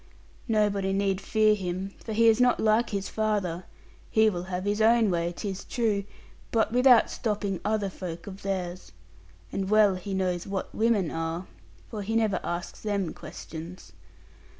Nobody need fear him, for he is not like his father: he will have his own way, 'tis true, but without stopping other folk of theirs: and well he knows what women are, for he never asks them questions.